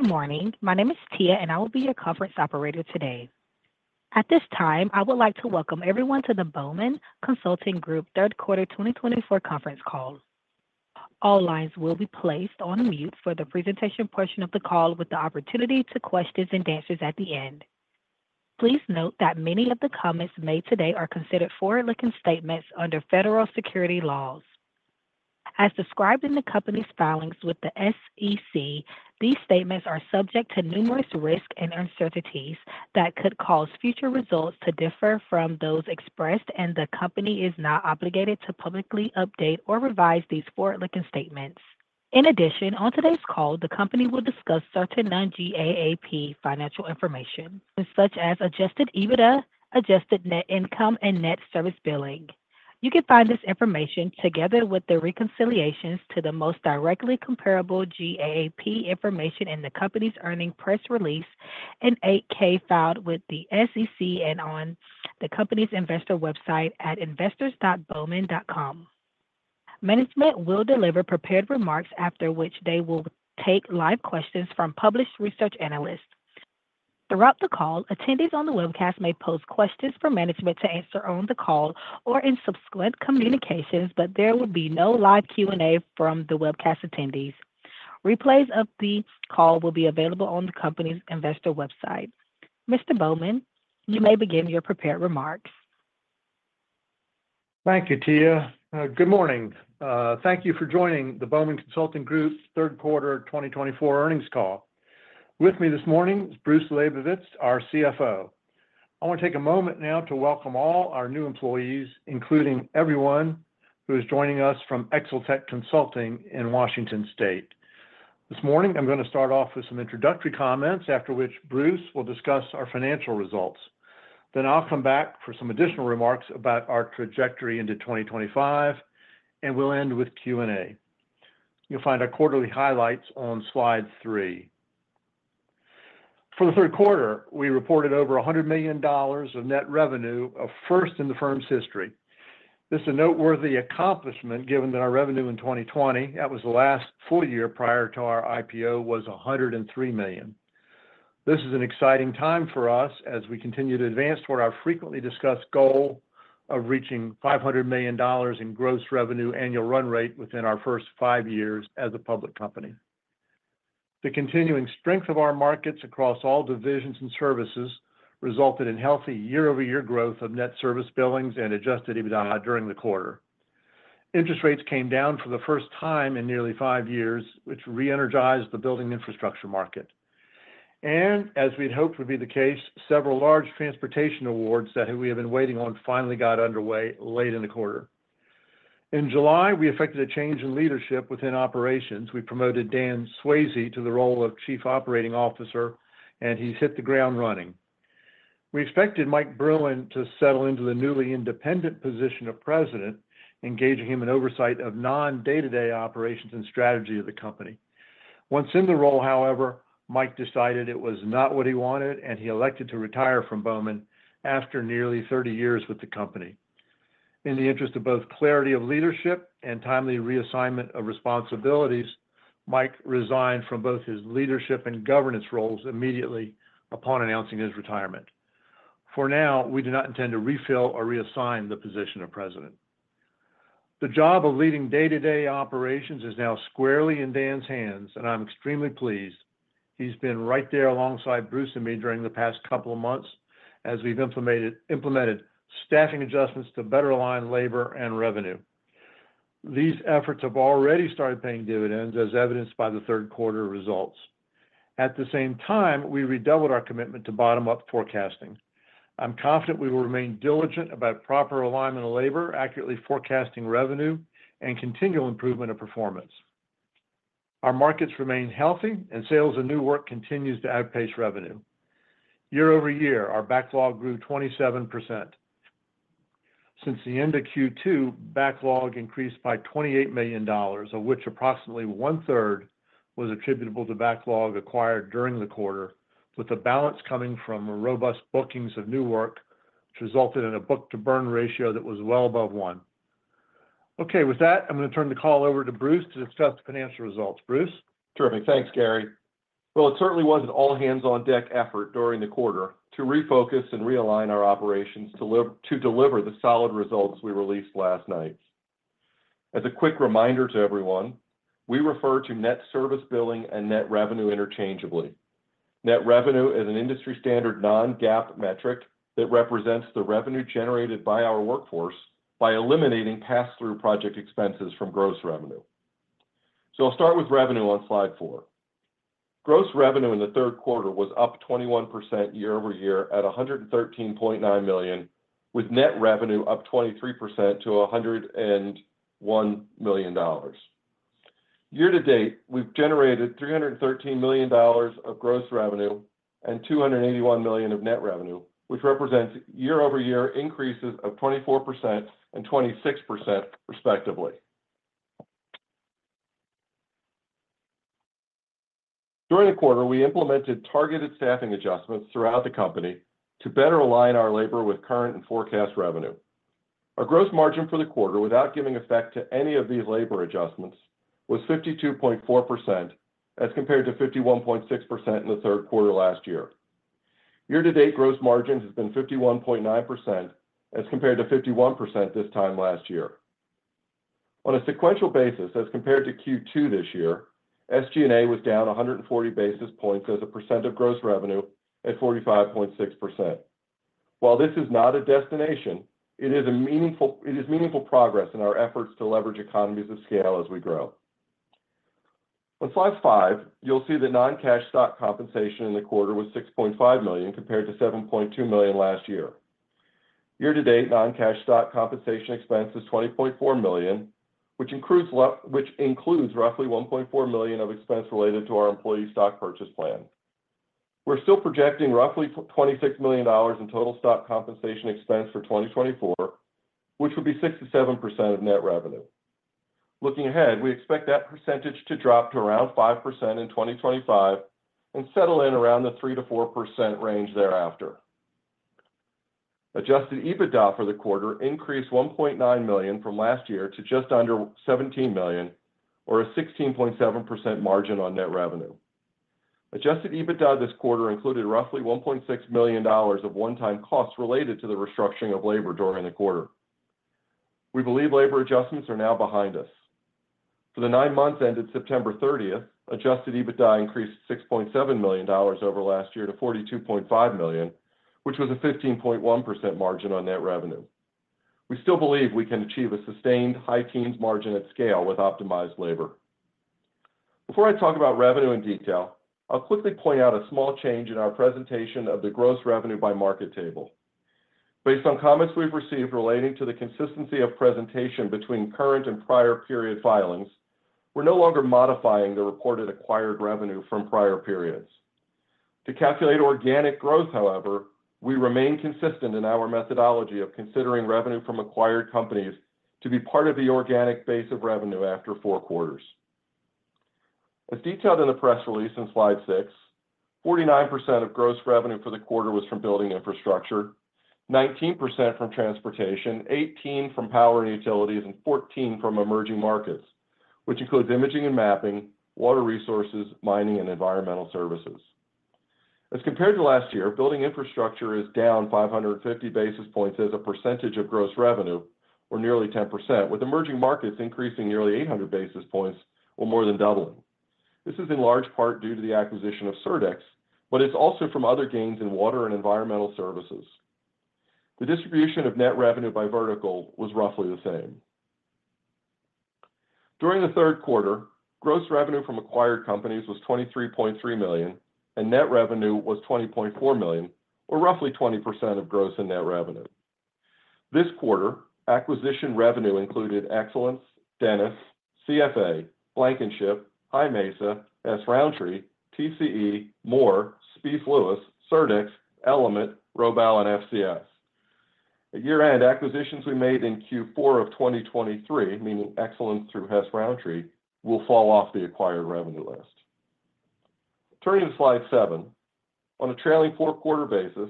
Good morning. My name is Tia, and I will be your conference operator today. At this time, I would like to welcome everyone to the Bowman Consulting Group third quarter 2024 conference call. All lines will be placed on mute for the presentation portion of the call, with the opportunity for questions and answers at the end. Please note that many of the comments made today are considered forward-looking statements under federal securities laws. As described in the company's filings with the SEC, these statements are subject to numerous risks and uncertainties that could cause future results to differ from those expressed, and the company is not obligated to publicly update or revise these forward-looking statements. In addition, on today's call, the company will discuss certain non-GAAP financial information, such as Adjusted EBITDA, Adjusted Net Income, and Net Service Billing. You can find this information together with the reconciliations to the most directly comparable GAAP information in the company's earnings press release in 8-K filed with the SEC and on the company's investor website at investors.bowman.com. Management will deliver prepared remarks, after which they will take live questions from published research analysts. Throughout the call, attendees on the webcast may pose questions for management to answer on the call or in subsequent communications, but there will be no live Q&A from the webcast attendees. Replays of the call will be available on the company's investor website. Mr. Bowman, you may begin your prepared remarks. Thank you, Tia. Good morning. Thank you for joining the Bowman Consulting Group Third Quarter 2024 Earnings Call. With me this morning is Bruce Labovitz, our CFO. I want to take a moment now to welcome all our new employees, including everyone who is joining us from Exeltech Consulting in Washington State. This morning, I'm going to start off with some introductory comments, after which Bruce will discuss our financial results. Then I'll come back for some additional remarks about our trajectory into 2025, and we'll end with Q&A. You'll find our quarterly highlights on Slide 3. For the third quarter, we reported over $100 million of net revenue, a first in the firm's history. This is a noteworthy accomplishment, given that our revenue in 2020—that was the last full year prior to our IPO—was $103 million. This is an exciting time for us as we continue to advance toward our frequently discussed goal of reaching $500 million in gross revenue annual run rate within our first five years as a public company. The continuing strength of our markets across all divisions and services resulted in healthy year-over-year growth of net service billings and adjusted EBITDA during the quarter. Interest rates came down for the first time in nearly five years, which re-energized the building infrastructure market, and as we had hoped would be the case, several large transportation awards that we had been waiting on finally got underway late in the quarter. In July, we effected a change in leadership within operations. We promoted Dan Swayze to the role of Chief Operating Officer, and he's hit the ground running. We expected Mike Bruen to settle into the newly independent position of president, engaging him in oversight of non-day-to-day operations and strategy of the company. Once in the role, however, Mike decided it was not what he wanted, and he elected to retire from Bowman after nearly 30 years with the company. In the interest of both clarity of leadership and timely reassignment of responsibilities, Mike resigned from both his leadership and governance roles immediately upon announcing his retirement. For now, we do not intend to refill or reassign the position of president. The job of leading day-to-day operations is now squarely in Dan's hands, and I'm extremely pleased. He's been right there alongside Bruce and me during the past couple of months as we've implemented staffing adjustments to better align labor and revenue. These efforts have already started paying dividends, as evidenced by the third quarter results. At the same time, we redoubled our commitment to bottom-up forecasting. I'm confident we will remain diligent about proper alignment of labor, accurately forecasting revenue, and continual improvement of performance. Our markets remain healthy, and sales and new work continue to outpace revenue. Year over year, our backlog grew 27%. Since the end of Q2, backlog increased by $28 million, of which approximately one-third was attributable to backlog acquired during the quarter, with the balance coming from robust bookings of new work, which resulted in a Book-to-Burn ratio that was well above one. Okay, with that, I'm going to turn the call over to Bruce to discuss the financial results. Bruce? Terrific. Thanks, Gary. Well, it certainly was an all-hands-on-deck effort during the quarter to refocus and realign our operations to deliver the solid results we released last night. As a quick reminder to everyone, we refer to net service billing and net revenue interchangeably. Net revenue is an industry-standard non-GAAP metric that represents the revenue generated by our workforce by eliminating pass-through project expenses from gross revenue. So I'll start with revenue on Slide 4. Gross revenue in the third quarter was up 21% year over year at $113.9 million, with net revenue up 23% to $101 million. Year to date, we've generated $313 million of gross revenue and $281 million of net revenue, which represents year-over-year increases of 24% and 26%, respectively. During the quarter, we implemented targeted staffing adjustments throughout the company to better align our labor with current and forecast revenue. Our gross margin for the quarter, without giving effect to any of these labor adjustments, was 52.4% as compared to 51.6% in the third quarter last year. Year-to-date gross margin has been 51.9% as compared to 51% this time last year. On a sequential basis, as compared to Q2 this year, SG&A was down 140 basis points as a percent of gross revenue at 45.6%. While this is not a destination, it is meaningful progress in our efforts to leverage economies of scale as we grow. On Slide 5, you'll see that non-cash stock compensation in the quarter was 6.5 million compared to 7.2 million last year. Year-to-date non-cash stock compensation expense is 20.4 million, which includes roughly 1.4 million of expense related to our employee stock purchase plan. We're still projecting roughly $26 million in total stock compensation expense for 2024, which would be 6%-7% of net revenue. Looking ahead, we expect that percentage to drop to around 5% in 2025 and settle in around the 3%-4% range thereafter. Adjusted EBITDA for the quarter increased $1.9 million from last year to just under $17 million, or a 16.7% margin on net revenue. Adjusted EBITDA this quarter included roughly $1.6 million of one-time costs related to the restructuring of labor during the quarter. We believe labor adjustments are now behind us. For the nine months ended September 30th, adjusted EBITDA increased $6.7 million over last year to $42.5 million, which was a 15.1% margin on net revenue. We still believe we can achieve a sustained high-teens margin at scale with optimized labor. Before I talk about revenue in detail, I'll quickly point out a small change in our presentation of the gross revenue by market table. Based on comments we've received relating to the consistency of presentation between current and prior period filings, we're no longer modifying the reported acquired revenue from prior periods. To calculate organic growth, however, we remain consistent in our methodology of considering revenue from acquired companies to be part of the organic base of revenue after four quarters. As detailed in the press release in Slide 6, 49% of gross revenue for the quarter was from building infrastructure, 19% from transportation, 18% from power and utilities, and 14% from emerging markets, which includes imaging and mapping, water resources, mining, and environmental services. As compared to last year, building infrastructure is down 550 basis points as a percentage of gross revenue, or nearly 10%, with emerging markets increasing nearly 800 basis points, or more than doubling. This is in large part due to the acquisition of Surdex, but it's also from other gains in water and environmental services. The distribution of net revenue by vertical was roughly the same. During the third quarter, gross revenue from acquired companies was $23.3 million, and net revenue was $20.4 million, or roughly 20% of gross and net revenue. This quarter, acquisition revenue included Excellence, Dennis, CFA, Blankinship, High Mesa, Hess-Rountree, TCE, Moore, Spieth Lewis, Surdex, Element, Rabo, and FCS. At year-end, acquisitions we made in Q4 of 2023, meaning Excellence through Hess-Rountree, will fall off the acquired revenue list. Turning to Slide 7, on a trailing four-quarter basis,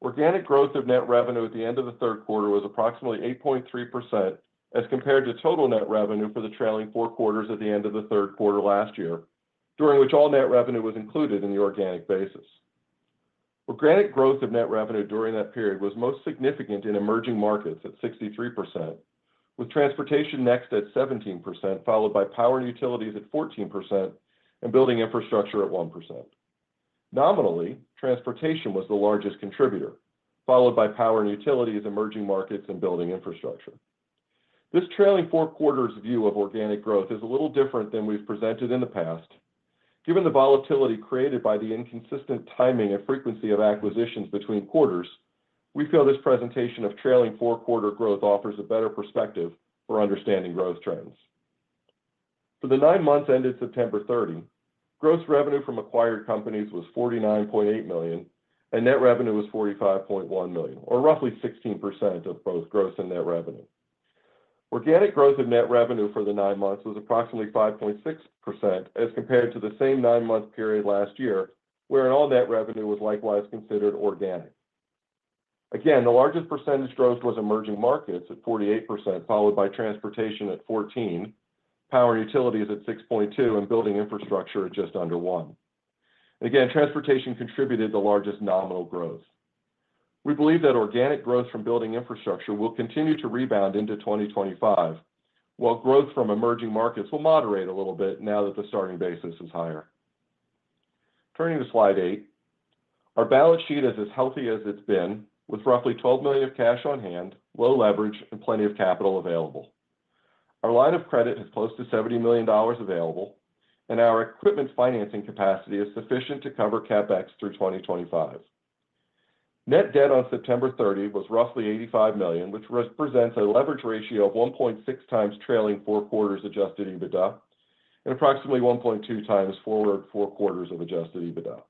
organic growth of net revenue at the end of the third quarter was approximately 8.3% as compared to total net revenue for the trailing four quarters at the end of the third quarter last year, during which all net revenue was included in the organic basis. Organic growth of net revenue during that period was most significant in emerging markets at 63%, with transportation next at 17%, followed by power and utilities at 14%, and building infrastructure at 1%. Nominally, transportation was the largest contributor, followed by power and utilities, emerging markets, and building infrastructure. This trailing four quarters view of organic growth is a little different than we've presented in the past. Given the volatility created by the inconsistent timing and frequency of acquisitions between quarters, we feel this presentation of trailing four-quarter growth offers a better perspective for understanding growth trends. For the nine months ended September 30, gross revenue from acquired companies was $49.8 million, and net revenue was $45.1 million, or roughly 16% of both gross and net revenue. Organic growth of net revenue for the nine months was approximately 5.6% as compared to the same nine-month period last year, wherein all net revenue was likewise considered organic. Again, the largest percentage growth was emerging markets at 48%, followed by transportation at 14%, power and utilities at 6.2%, and building infrastructure at just under 1%. Again, transportation contributed the largest nominal growth. We believe that organic growth from building infrastructure will continue to rebound into 2025, while growth from emerging markets will moderate a little bit now that the starting basis is higher. Turning to Slide 8, our balance sheet is as healthy as it's been, with roughly $12 million of cash on hand, low leverage, and plenty of capital available. Our line of credit has close to $70 million available, and our equipment financing capacity is sufficient to cover CapEx through 2025. Net debt on September 30 was roughly $85 million, which represents a leverage ratio of 1.6 times trailing four quarters adjusted EBITDA and approximately 1.2 times forward four quarters of adjusted EBITDA.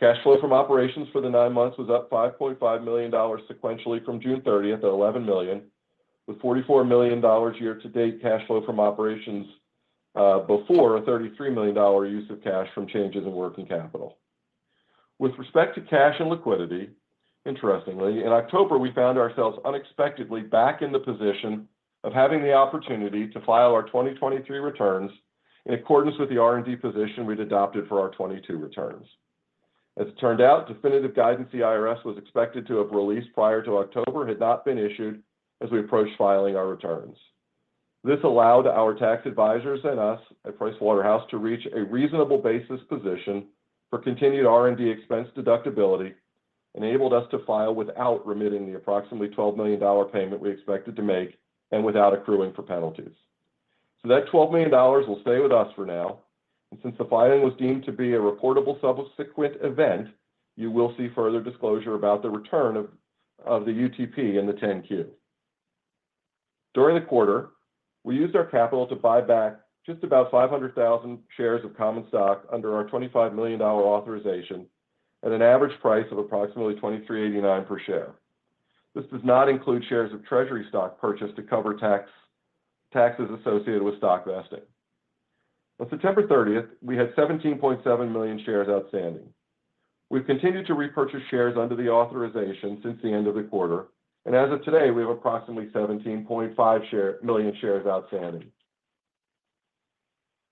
Cash flow from operations for the nine months was up $5.5 million sequentially from June 30 at $11 million, with $44 million year-to-date cash flow from operations before a $33 million use of cash from changes in working capital. With respect to cash and liquidity, interestingly, in October, we found ourselves unexpectedly back in the position of having the opportunity to file our 2023 returns in accordance with the R&D position we'd adopted for our 2022 returns. As it turned out, definitive guidance the IRS was expected to have released prior to October had not been issued as we approached filing our returns. This allowed our tax advisors and us at PricewaterhouseCoopers to reach a reasonable basis position for continued R&D expense deductibility and enabled us to file without remitting the approximately $12 million payment we expected to make and without accruing for penalties. So that $12 million will stay with us for now. And since the filing was deemed to be a reportable subsequent event, you will see further disclosure about the return of the UTP in the 10-Q. During the quarter, we used our capital to buy back just about 500,000 shares of common stock under our $25 million authorization at an average price of approximately $2,389 per share. This does not include shares of treasury stock purchased to cover taxes associated with stock vesting. On September 30th, we had 17.7 million shares outstanding. We've continued to repurchase shares under the authorization since the end of the quarter. As of today, we have approximately 17.5 million shares outstanding.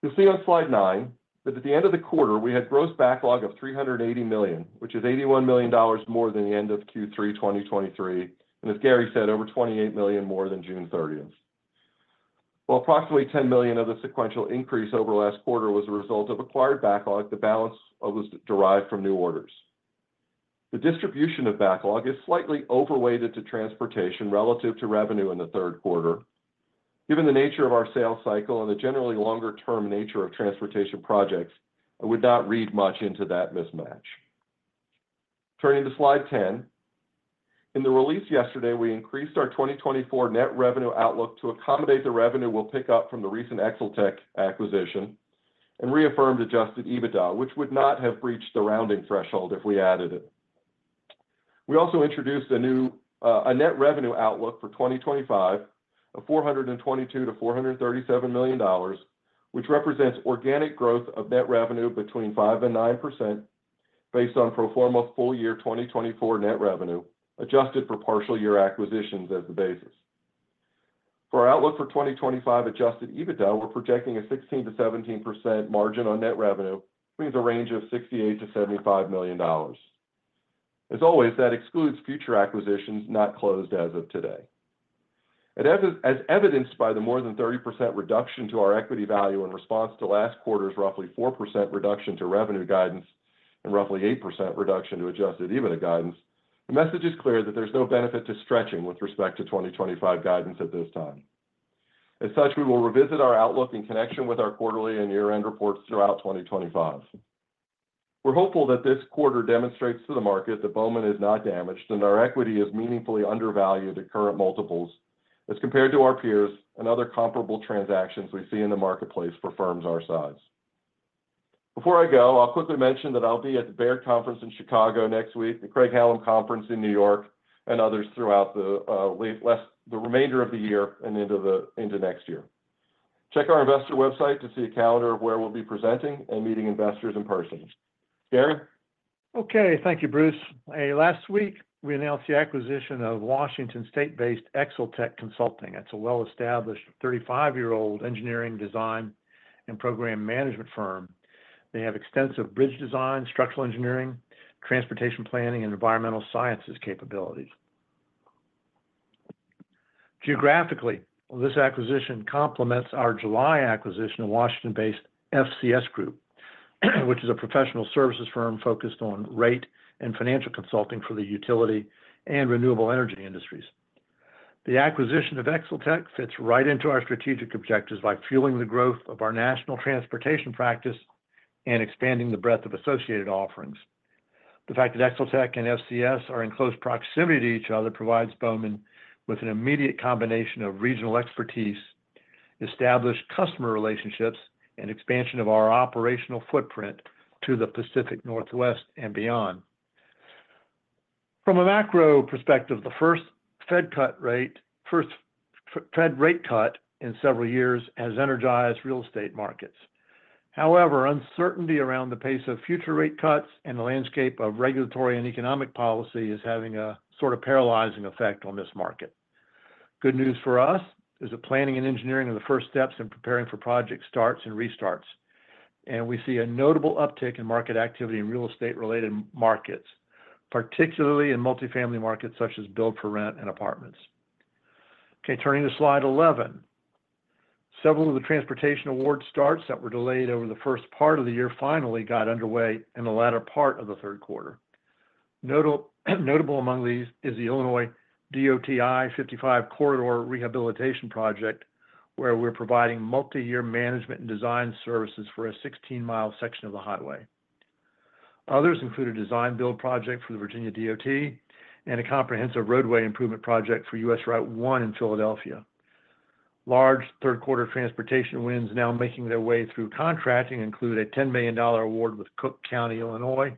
You'll see on Slide 9 that at the end of the quarter, we had gross backlog of $380 million, which is $81 million more than the end of Q3 2023. As Gary said, over $28 million more than June 30th. Approximately $10 million of the sequential increase over the last quarter was a result of acquired backlog. The balance was derived from new orders. The distribution of backlog is slightly overweighted to transportation relative to revenue in the third quarter. Given the nature of our sales cycle and the generally longer-term nature of transportation projects, I would not read much into that mismatch. Turning to Slide 10, in the release yesterday, we increased our 2024 net revenue outlook to accommodate the revenue we'll pick up from the recent Exeltech acquisition and reaffirmed Adjusted EBITDA, which would not have breached the rounding threshold if we added it. We also introduced a net revenue outlook for 2025 of $422-$437 million, which represents organic growth of net revenue between 5% and 9% based on pro forma full year 2024 net revenue adjusted for partial year acquisitions as the basis. For our outlook for 2025 Adjusted EBITDA, we're projecting a 16%-17% margin on net revenue, which means a range of $68-$75 million. As always, that excludes future acquisitions not closed as of today. As evidenced by the more than 30% reduction to our equity value in response to last quarter's roughly 4% reduction to revenue guidance and roughly 8% reduction to Adjusted EBITDA guidance, the message is clear that there's no benefit to stretching with respect to 2025 guidance at this time. As such, we will revisit our outlook in connection with our quarterly and year-end reports throughout 2025. We're hopeful that this quarter demonstrates to the market that Bowman is not damaged and our equity is meaningfully undervalued at current multiples as compared to our peers and other comparable transactions we see in the marketplace for firms our size. Before I go, I'll quickly mention that I'll be at the Baird Conference in Chicago next week, the Craig-Hallum Conference in New York, and others throughout the remainder of the year and into next year. Check our investor website to see a calendar of where we'll be presenting and meeting investors in person. Gary? Okay. Thank you, Bruce. Last week, we announced the acquisition of Washington state-based Exeltech Consulting. That's a well-established 35-year-old engineering design and program management firm. They have extensive bridge design, structural engineering, transportation planning, and environmental sciences capabilities. Geographically, this acquisition complements our July acquisition of Washington-based FCS Group, which is a professional services firm focused on rate and financial consulting for the utility and renewable energy industries. The acquisition of Exeltech fits right into our strategic objectives by fueling the growth of our national transportation practice and expanding the breadth of associated offerings. The fact that Exeltech and FCS are in close proximity to each other provides Bowman with an immediate combination of regional expertise, established customer relationships, and expansion of our operational footprint to the Pacific Northwest and beyond. From a macro perspective, the first Fed rate cut in several years has energized real estate markets. However, uncertainty around the pace of future rate cuts and the landscape of regulatory and economic policy is having a sort of paralyzing effect on this market. Good news for us is that planning and engineering are the first steps in preparing for project starts and restarts, and we see a notable uptick in market activity in real estate-related markets, particularly in multifamily markets such as build-for-rent and apartments. Okay. Turning to Slide 11, several of the transportation award starts that were delayed over the first part of the year finally got underway in the latter part of the third quarter. Notable among these is the Illinois DOT I-55 Corridor rehabilitation project, where we're providing multi-year management and design services for a 16-mile section of the highway. Others include a design-build project for the Virginia DOT and a comprehensive roadway improvement project for US Route 1 in Philadelphia. Large third-quarter transportation wins now making their way through contracting include a $10 million award with Cook County, Illinois.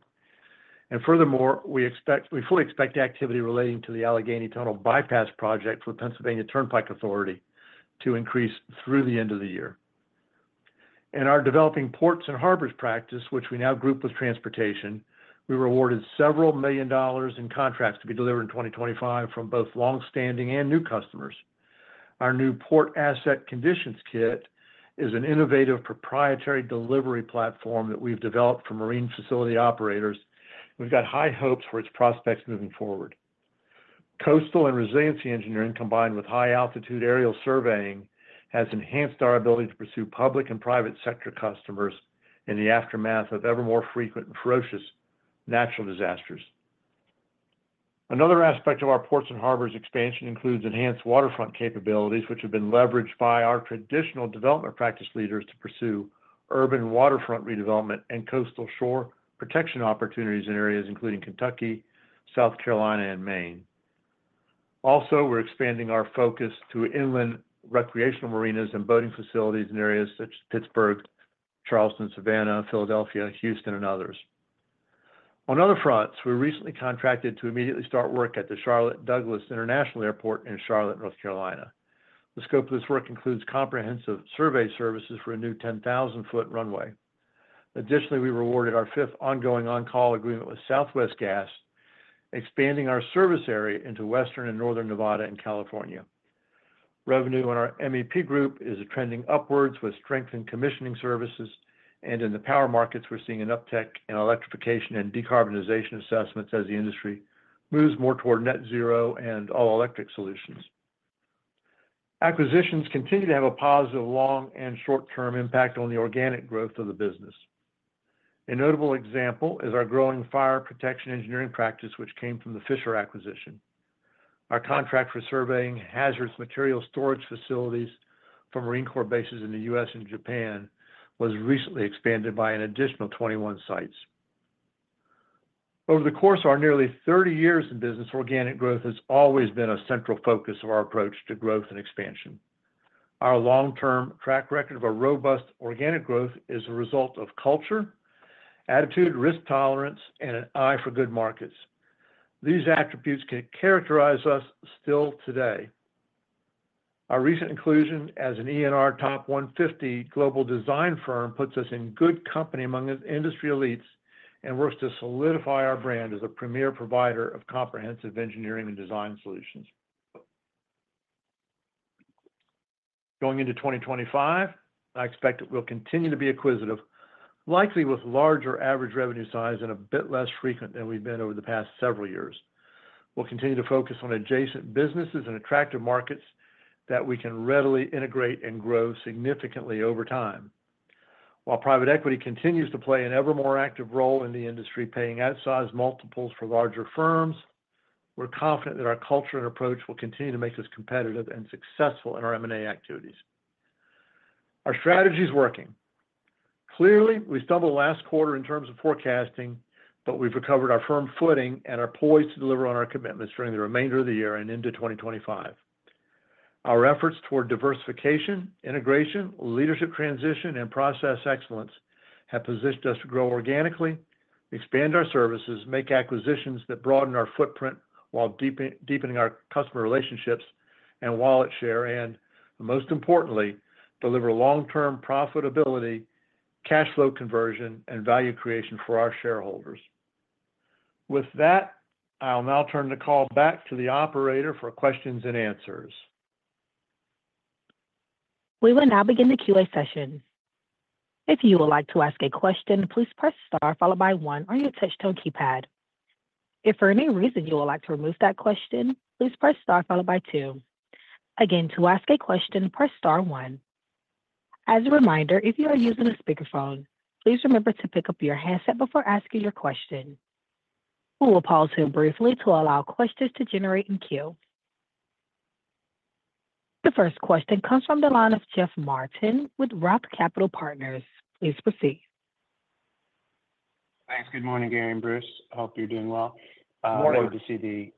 And furthermore, we fully expect activity relating to the Allegheny Tunnel bypass project for Pennsylvania Turnpike Commission to increase through the end of the year. In our developing ports and harbors practice, which we now group with transportation, we awarded several million dollars in contracts to be delivered in 2025 from both longstanding and new customers. Our new Port Asset Condition Kit is an innovative proprietary delivery platform that we've developed for marine facility operators. We've got high hopes for its prospects moving forward. Coastal and resiliency engineering combined with high-altitude aerial surveying has enhanced our ability to pursue public and private sector customers in the aftermath of ever more frequent and ferocious natural disasters. Another aspect of our ports and harbors expansion includes enhanced waterfront capabilities, which have been leveraged by our traditional development practice leaders to pursue urban waterfront redevelopment and coastal shore protection opportunities in areas including Kentucky, South Carolina, and Maine. Also, we're expanding our focus to inland recreational marinas and boating facilities in areas such as Pittsburgh, Charleston, Savannah, Philadelphia, Houston, and others. On other fronts, we recently contracted to immediately start work at the Charlotte Douglas International Airport in Charlotte, North Carolina. The scope of this work includes comprehensive survey services for a new 10,000-foot runway. Additionally, we rewarded our fifth ongoing on-call agreement with Southwest Gas, expanding our service area into western and northern Nevada and California. Revenue on our MEP group is trending upwards with strengthened commissioning services. And in the power markets, we're seeing an uptick in electrification and decarbonization assessments as the industry moves more toward net zero and all-electric solutions. Acquisitions continue to have a positive long and short-term impact on the organic growth of the business. A notable example is our growing fire protection engineering practice, which came from the Fisher acquisition. Our contract for surveying hazardous material storage facilities for Marine Corps bases in the U.S. and Japan was recently expanded by an additional 21 sites. Over the course of our nearly 30 years in business, organic growth has always been a central focus of our approach to growth and expansion. Our long-term track record of a robust organic growth is a result of culture, attitude, risk tolerance, and an eye for good markets. These attributes can characterize us still today. Our recent inclusion as an ENR Top 150 global design firm puts us in good company among industry elites and works to solidify our brand as a premier provider of comprehensive engineering and design solutions. Going into 2025, I expect that we'll continue to be acquisitive, likely with larger average revenue size and a bit less frequent than we've been over the past several years. We'll continue to focus on adjacent businesses and attractive markets that we can readily integrate and grow significantly over time. While private equity continues to play an ever more active role in the industry, paying outsized multiples for larger firms, we're confident that our culture and approach will continue to make us competitive and successful in our M&A activities. Our strategy is working. Clearly, we stumbled last quarter in terms of forecasting, but we've recovered our firm footing and are poised to deliver on our commitments during the remainder of the year and into 2025. Our efforts toward diversification, integration, leadership transition, and process excellence have positioned us to grow organically, expand our services, make acquisitions that broaden our footprint while deepening our customer relationships and wallet share, and most importantly, deliver long-term profitability, cash flow conversion, and value creation for our shareholders. With that, I'll now turn the call back to the operator for questions and answers. We will now begin the Q&A session. If you would like to ask a question, please press Star followed by 1 on your touch-tone keypad. If for any reason you would like to remove that question, please press Star followed by 2. Again, to ask a question, press Star 1. As a reminder, if you are using a speakerphone, please remember to pick up your handset before asking your question. We will pause here briefly to allow questions to generate in queue. The first question comes from the line of Jeff Martin with Roth Capital Partners. Please proceed. Thanks. Good morning, Gary and Bruce. I hope you're doing well. Good morning. I'm glad to see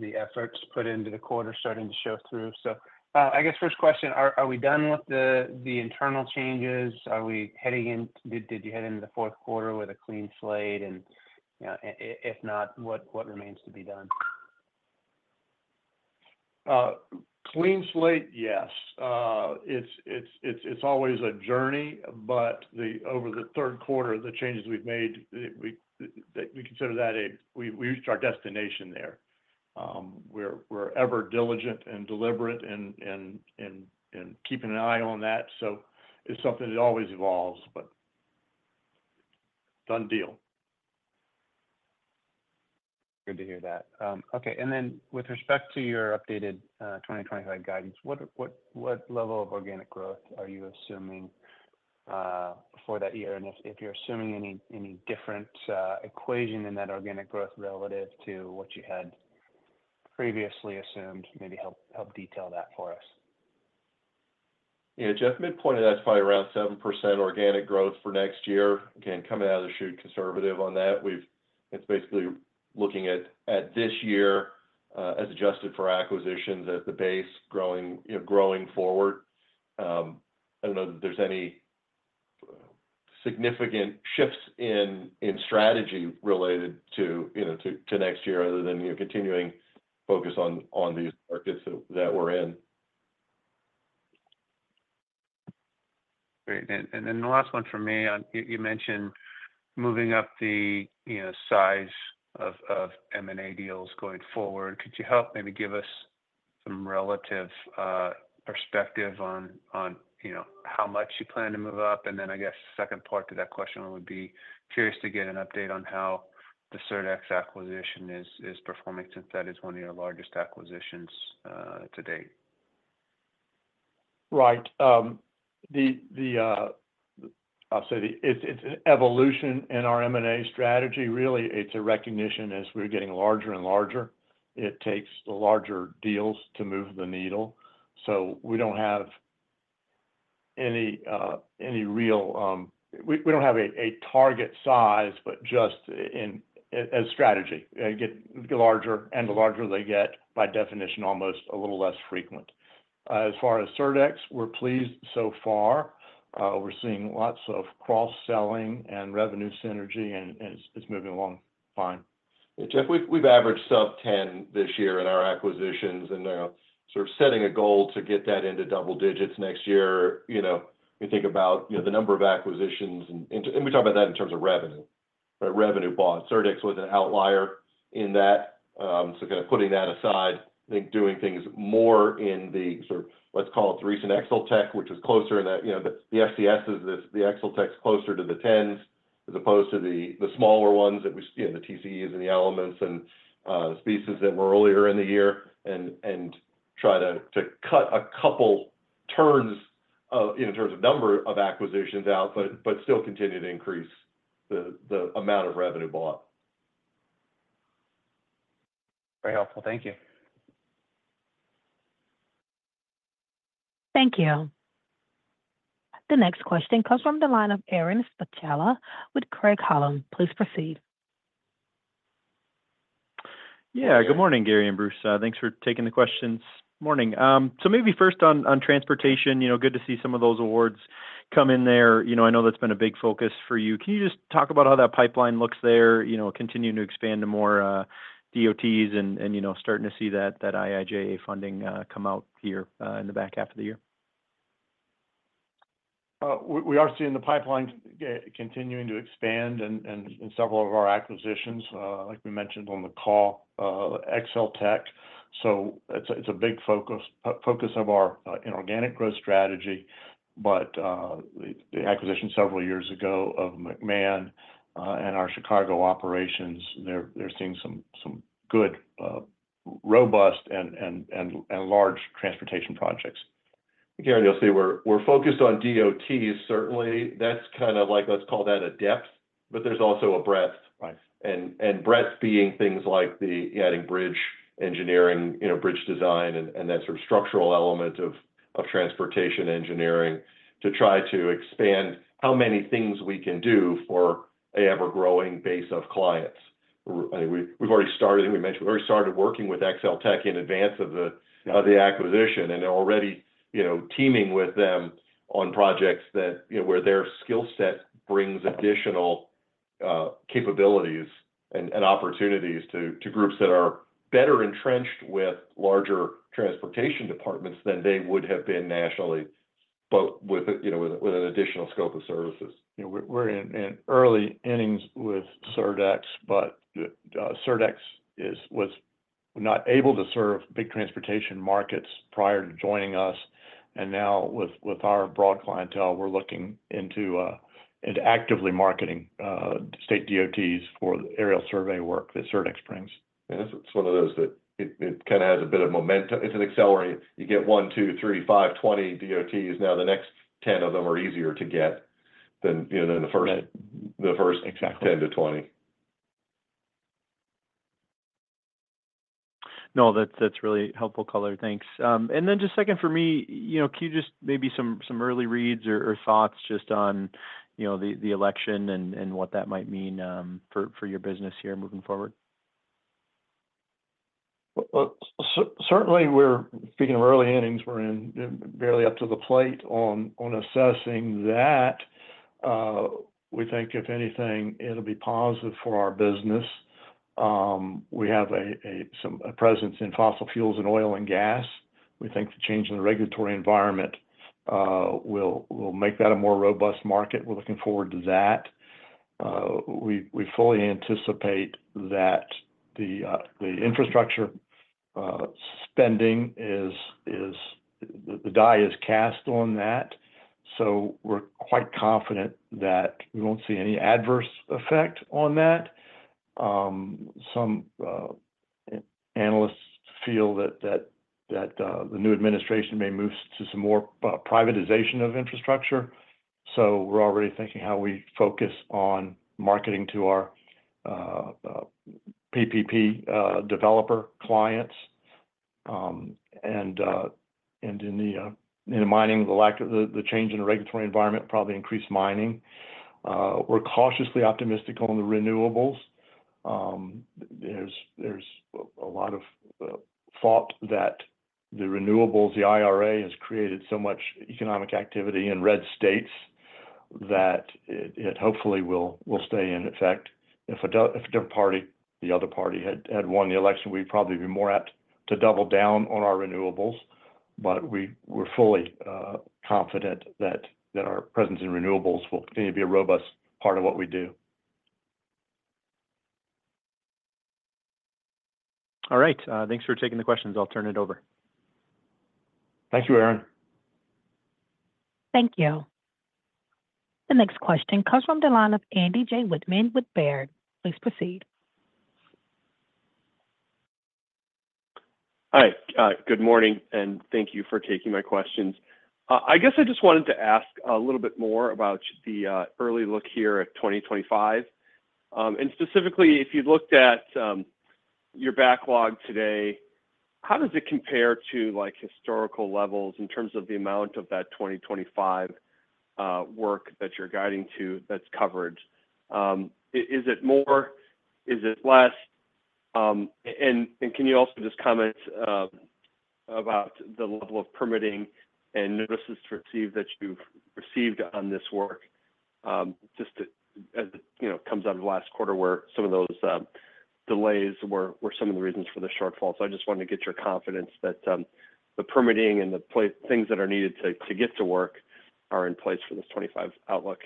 the efforts put into the quarter starting to show through. So I guess first question, are we done with the internal changes? Did you head into the fourth quarter with a clean slate? And if not, what remains to be done? Clean slate, yes. It's always a journey. But over the third quarter, the changes we've made, we consider that we reached our destination there. We're ever diligent and deliberate in keeping an eye on that. So it's something that always evolves, but done deal. Good to hear that. Okay. And then with respect to your updated 2025 guidance, what level of organic growth are you assuming for that year? And if you're assuming any different equation in that organic growth relative to what you had previously assumed, maybe help detail that for us. Yeah. Jeff had pointed out it's probably around seven% organic growth for next year. Again, coming out of the chute, conservative on that. It's basically looking at this year as adjusted for acquisitions as the base growing forward. I don't know that there's any significant shifts in strategy related to next year other than continuing focus on these markets that we're in. Great. And then the last one for me, you mentioned moving up the size of M&A deals going forward. Could you help maybe give us some relative perspective on how much you plan to move up? And then I guess the second part to that question would be curious to get an update on how the Surdex acquisition is performing since that is one of your largest acquisitions to date. Right. I'll say it's an evolution in our M&A strategy. Really, it's a recognition as we're getting larger and larger. It takes the larger deals to move the needle. So we don't have any real target size, but just as strategy. And the larger they get, by definition, almost a little less frequent. As far as Surdex, we're pleased so far. We're seeing lots of cross-selling and revenue synergy, and it's moving along fine. Yeah. Jeff, we've averaged sub-10 this year in our acquisitions and sort of setting a goal to get that into double digits next year. You think about the number of acquisitions, and we talk about that in terms of revenue, right? Revenue bought. Surdex was an outlier in that. So kind of putting that aside, I think doing things more in the sort of, let's call it the recent Exeltech, which was closer in that the FCS is the Exeltech's closer to the 10s as opposed to the smaller ones that we—the TCEs and the Elements and Hess's that were earlier in the year—and try to cut a couple turns in terms of number of acquisitions out, but still continue to increase the amount of revenue bought. Very helpful. Thank you. Thank you. The next question comes from the line of Aaron Spychalla with Craig-Hallum Capital Group. Please proceed. Yeah. Good morning, Gary and Bruce. Thanks for taking the questions. Morning. So maybe first on transportation, good to see some of those awards come in there. I know that's been a big focus for you. Can you just talk about how that pipeline looks there, continuing to expand to more DOTs and starting to see that IIJA funding come out here in the back half of the year? We are seeing the pipeline continuing to expand in several of our acquisitions, like we mentioned on the call, Excel Tech. So it's a big focus of our inorganic growth strategy. But the acquisition several years ago of McMahon and our Chicago operations, they're seeing some good, robust, and large transportation projects. Gary, you'll see we're focused on DOTs. Certainly, that's kind of like let's call that a depth, but there's also a breadth. And breadth being things like the adding bridge engineering, bridge design, and that sort of structural element of transportation engineering to try to expand how many things we can do for an ever-growing base of clients. I mean, we've already started. We mentioned we already started working with Exeltech in advance of the acquisition and are already teaming with them on projects where their skill set brings additional capabilities and opportunities to groups that are better entrenched with larger transportation departments than they would have been nationally, but with an additional scope of services. We're in early innings with Surdex, but Surdex was not able to serve big transportation markets prior to joining us. And now with our broad clientele, we're looking into actively marketing state DOTs for aerial survey work that Surdex brings. It's one of those that it kind of has a bit of momentum. It's an accelerant. You get one, two, three, five, 20 DOTs. Now the next 10 of them are easier to get than the first 10 to 20. No, that's really helpful, caller. Thanks. Then just second for me, can you just maybe some early reads or thoughts just on the election and what that might mean for your business here moving forward? Certainly, we're speaking of early innings. We're barely up to the plate on assessing that. We think, if anything, it'll be positive for our business. We have a presence in fossil fuels and oil and gas. We think the change in the regulatory environment will make that a more robust market. We're looking forward to that. We fully anticipate that the infrastructure spending is. The die is cast on that. So we're quite confident that we won't see any adverse effect on that. Some analysts feel that the new administration may move to some more privatization of infrastructure. So we're already thinking how we focus on marketing to our PPP developer clients. In mining, the change in the regulatory environment probably increased mining. We're cautiously optimistic on the renewables. There's a lot of thought that the renewables, the IRA has created so much economic activity in red states that it hopefully will stay in effect. If the other party had won the election, we'd probably be more apt to double down on our renewables. But we're fully confident that our presence in renewables will continue to be a robust part of what we do. All right. Thanks for taking the questions. I'll turn it over. Thank you, Aaron. Thank you. The next question comes from the line of Andrew J. Wittmann with Baird. Please proceed. Hi. Good morning, and thank you for taking my questions. I guess I just wanted to ask a little bit more about the early look here at 2025. And specifically, if you looked at your backlog today, how does it compare to historical levels in terms of the amount of that 2025 work that you're guiding to that's covered? Is it more? Is it less? And can you also just comment about the level of permitting and notices to receive that you've received on this work? Just as it comes out of last quarter, where some of those delays were some of the reasons for the shortfall. So I just wanted to get your confidence that the permitting and the things that are needed to get to work are in place for this 2025 outlook.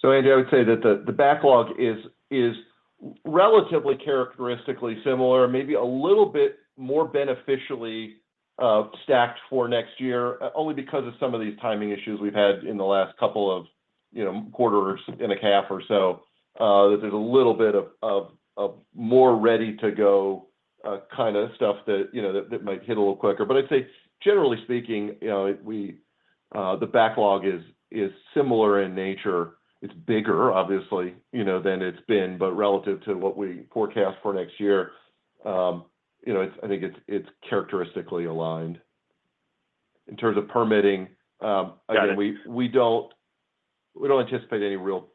So, Andy, I would say that the backlog is relatively characteristically similar, maybe a little bit more beneficially stacked for next year, only because of some of these timing issues we've had in the last couple of quarters and a half or so, that there's a little bit of more ready-to-go kind of stuff that might hit a little quicker. But I'd say, generally speaking, the backlog is similar in nature. It's bigger, obviously, than it's been, but relative to what we forecast for next year, I think it's characteristically aligned. In terms of permitting, again, we don't anticipate any real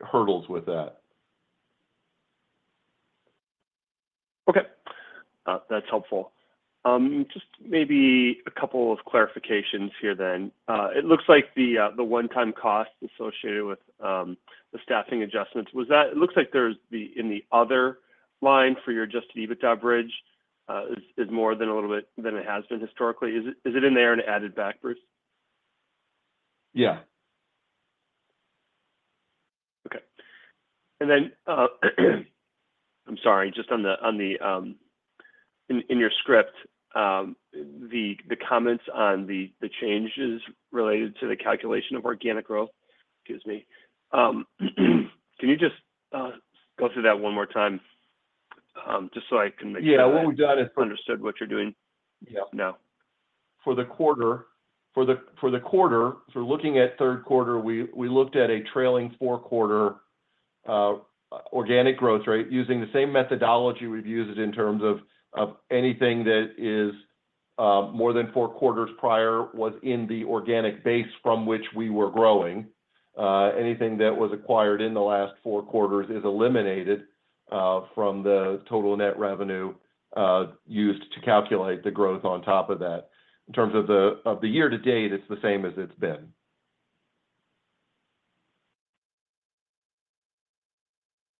hurdles with that. Okay. That's helpful. Just maybe a couple of clarifications here then. It looks like the one-time cost associated with the staffing adjustments; it looks like in the other line for your Adjusted EBITDA bridge is more than a little bit than it has been historically. Is it in there and added backwards? Yeah. Okay. And then I'm sorry, just on the comments in your script, the comments on the changes related to the calculation of organic growth, excuse me. Can you just go through that one more time just so. I can make sure I understood what you're doing now? For the quarter, for looking at third quarter, we looked at a trailing four-quarter organic growth rate using the same methodology we've used in terms of anything that is more than four quarters prior was in the organic base from which we were growing. Anything that was acquired in the last four quarters is eliminated from the total net revenue used to calculate the growth on top of that. In terms of the year to date, it's the same as it's been.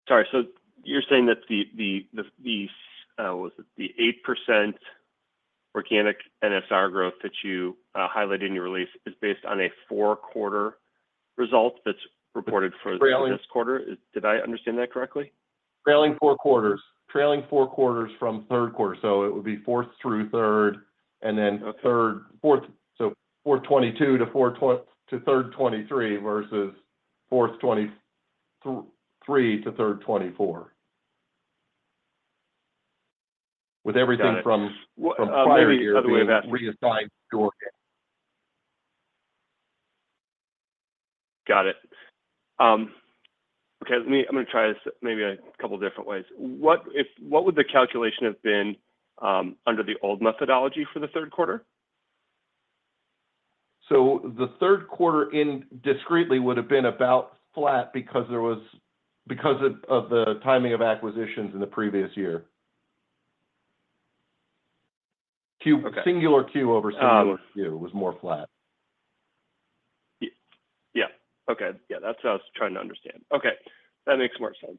Sorry. So you're saying that the - what was it? - the 8% organic NSR growth that you highlighted in your release is based on a four-quarter result that's reported for this quarter. Did I understand that correctly? Trailing four quarters. Trailing four quarters from third quarter. So it would be fourth through third, and then fourth - so fourth 2022 to third 2023 versus fourth 2023 to third 2024. With everything from prior year to reassigned to organic. Got it. Okay. I'm going to try this maybe a couple of different ways. What would the calculation have been under the old methodology for the third quarter? So the third quarter discretely would have been about flat because of the timing of acquisitions in the previous year. Singular Q over singular Q was more flat. Yeah. Okay. Yeah. That's what I was trying to understand. Okay. That makes more sense.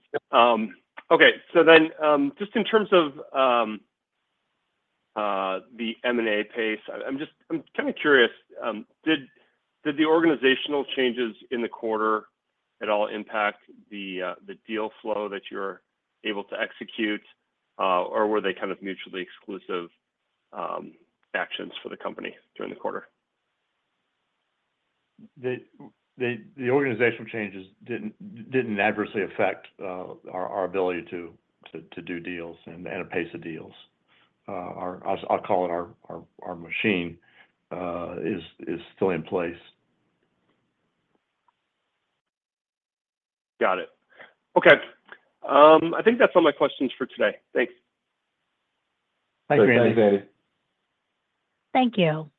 Okay. So then just in terms of the M&A pace, I'm kind of curious, did the organizational changes in the quarter at all impact the deal flow that you were able to execute, or were they kind of mutually exclusive actions for the company during the quarter? The organizational changes didn't adversely affect our ability to do deals and the pace of deals. I'll call it our machine is still in place. Got it. Okay. I think that's all my questions for today. Thanks. Thanks, Andy. Thank you.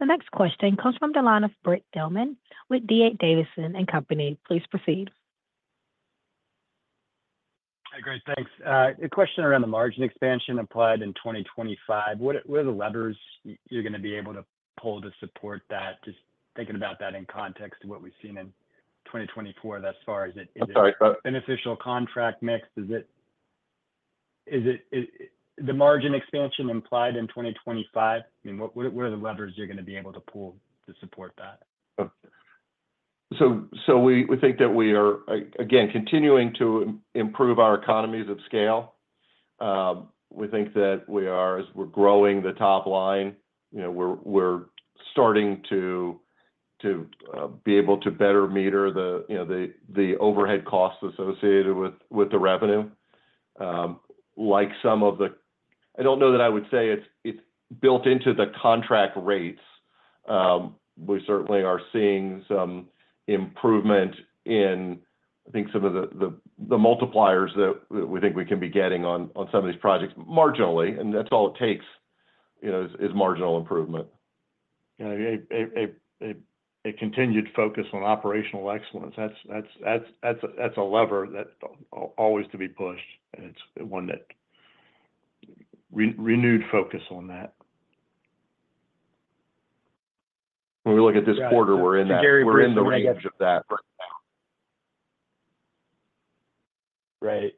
The next question comes from the line of Brent Thielman with D.A. Davidson & Co. Please proceed. Hey, great. Thanks. A question around the margin expansion applied in 2025. What are the levers you're going to be able to pull to support that? Just thinking about that in context of what we've seen in 2024, that's as far as the beneficial contract mix. Is it the margin expansion implied in 2025? I mean, what are the levers you're going to be able to pull to support that? So we think that we are, again, continuing to improve our economies of scale. We think that as we're growing the top line, we're starting to be able to better meter the overhead costs associated with the revenue. Like some of the, I don't know that I would say it's built into the contract rates. We certainly are seeing some improvement in, I think, some of the multipliers that we think we can be getting on some of these projects marginally. And that's all it takes is marginal improvement. Yeah. A continued focus on operational excellence. That's a lever that always to be pushed. And it's one that renewed focus on that. When we look at this quarter, we're in the range of that. Right.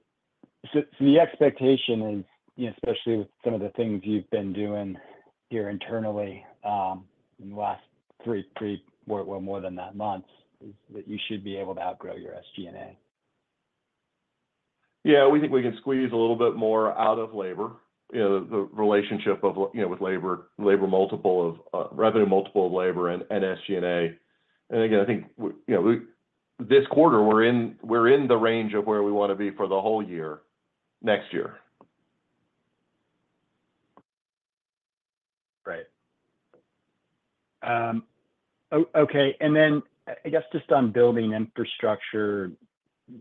So the expectation is, especially with some of the things you've been doing here internally in the last three, four, well, more than that month, is that you should be able to outgrow your SG&A. Yeah. We think we can squeeze a little bit more out of labor. The relationship with labor, labor multiple of revenue multiple of labor and SG&A. And again, I think this quarter, we're in the range of where we want to be for the whole year next year. Right. Okay. And then I guess just on building infrastructure,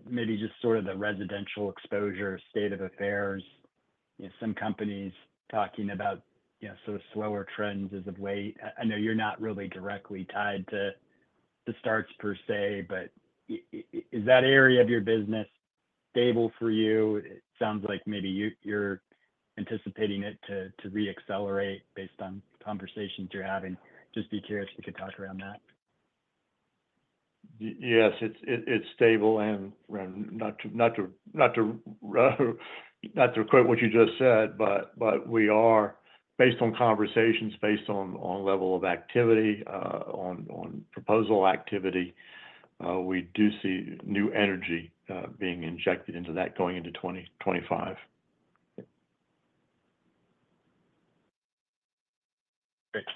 maybe just sort of the residential exposure, state of affairs, some companies talking about sort of slower trends as of late. I know you're not really directly tied to the starts per se, but is that area of your business stable for you? It sounds like maybe you're anticipating it to re-accelerate based on conversations you're having. Just be curious if you could talk around that. Yes. It's stable. And not to quote what you just said, but based on conversations, based on level of activity, on proposal activity, we do see new energy being injected into that going into 2025.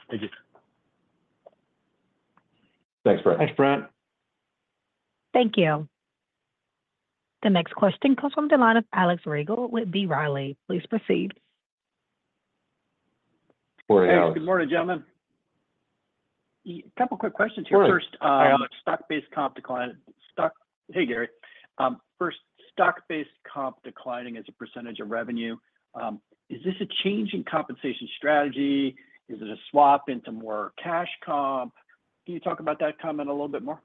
Thank you. Thanks, Brent. Thanks, Brent. Thank you. The next question comes from the line of Alex Rygiel with B. Riley Securities. Please proceed. Hey. Good morning, gentlemen. A couple of quick questions here. First, stock-based comp declining. Hey, Gary. First, stock-based comp declining as a percentage of revenue. Is this a change in compensation strategy? Is it a swap into more cash comp? Can you talk about that comment a little bit more?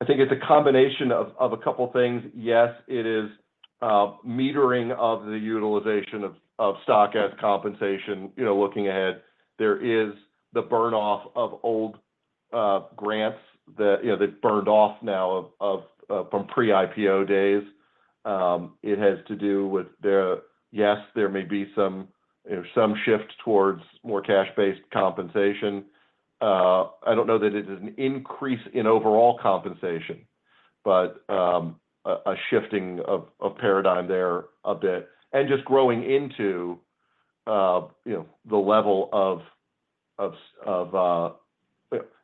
I think it's a combination of a couple of things. Yes, it is metering of the utilization of stock as compensation looking ahead. There is the burn-off of old grants that burned off now from pre-IPO days. It has to do with, yes, there may be some shift towards more cash-based compensation. I don't know that it is an increase in overall compensation, but a shifting of paradigm there a bit, and just growing into the level of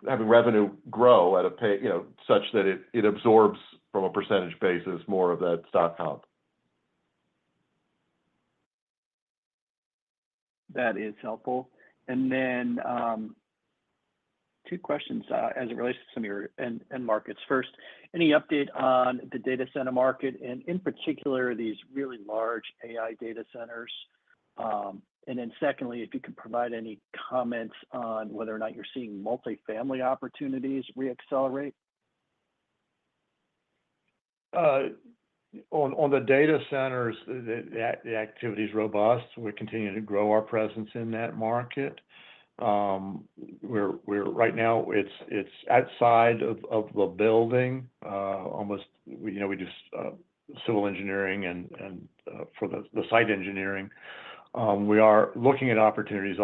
having revenue grow at a pace such that it absorbs from a percentage basis more of that stock comp. That is helpful, and then two questions as it relates to some of your end markets. First, any update on the data center market and, in particular, these really large AI data centers? And then secondly, if you could provide any comments on whether or not you're seeing multifamily opportunities re-accelerate. On the data centers, the activity is robust. We're continuing to grow our presence in that market. Right now, it's outside of the building. Also, we just civil engineering and for the site engineering. We are looking at opportunities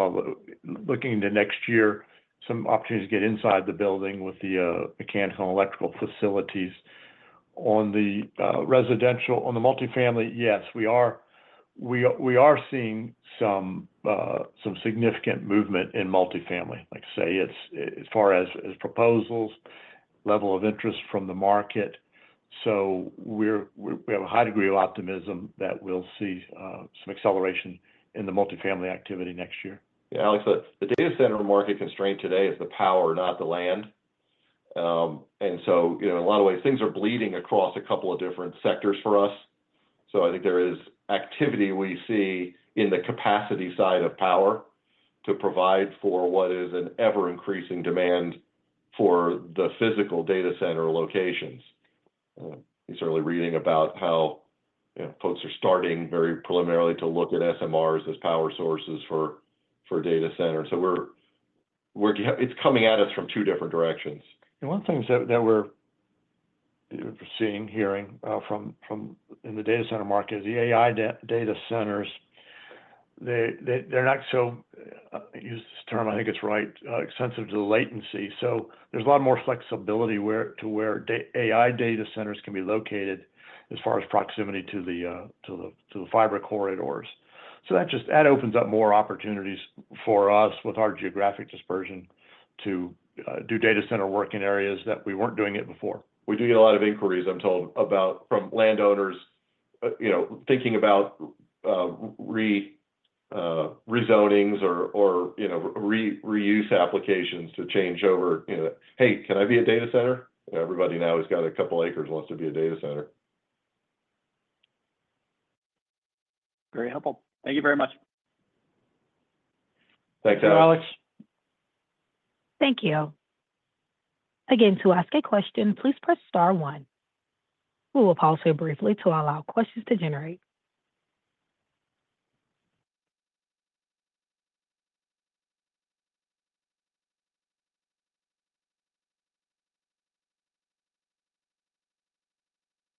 looking into next year, some opportunities to get inside the building with the mechanical and electrical facilities. On the multifamily, yes, we are seeing some significant movement in multifamily, like I say, as far as proposals, level of interest from the market. So we have a high degree of optimism that we'll see some acceleration in the multifamily activity next year. Yeah. Alex, the data center market constraint today is the power, not the land. And so in a lot of ways, things are bleeding across a couple of different sectors for us. So I think there is activity we see in the capacity side of power to provide for what is an ever-increasing demand for the physical data center locations. You're certainly reading about how folks are starting very preliminarily to look at SMRs as power sources for data centers. So it's coming at us from two different directions. And one thing that we're seeing, hearing from in the data center market is the AI data centers. They're not so, use this term, I think it's right, sensitive to the latency. So there's a lot more flexibility to where AI data centers can be located as far as proximity to the fiber corridors. So that opens up more opportunities for us with our geographic dispersion to do data center work in areas that we weren't doing it before. We do get a lot of inquiries, I'm told, from landowners thinking about rezonings or reuse applications to change over. Hey, can I be a data center? Everybody now who's got a couple of acres wants to be a data center. Very helpful. Thank you very much. Thanks, Alex. Thank you. Again, to ask a question, please press star one. We will pause here briefly to allow questions to generate.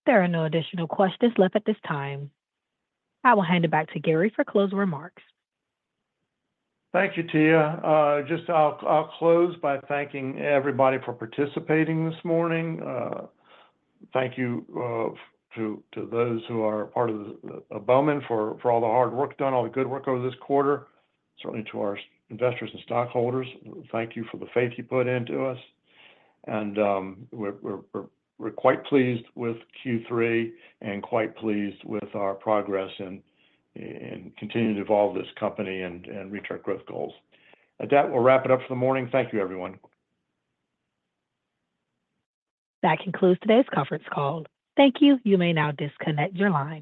There are no additional questions left at this time. I will hand it back to Gary for closing remarks. Thank you, Tia. Just, I'll close by thanking everybody for participating this morning. Thank you to those who are part of the Bowman for all the hard work done, all the good work over this quarter. Certainly to our investors and stockholders, thank you for the faith you put into us, and we're quite pleased with Q3 and quite pleased with our progress in continuing to evolve this company and reach our growth goals. At that, we'll wrap it up for the morning. Thank you, everyone. That concludes today's conference call. Thank you. You may now disconnect your line.